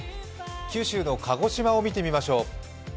九州の鹿児島を見てみましょう。